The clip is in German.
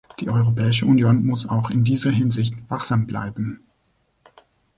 Die Europäische Union muss auch in dieser Hinsicht wachsam bleiben.